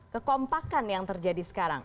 kekompakan yang terjadi sekarang